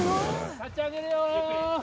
立ち上げるよ！